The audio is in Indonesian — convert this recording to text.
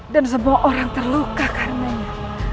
dan semua orang terluka karenanya